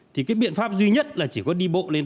thì cái biện pháp duy nhất là chỉ có đi bộ lên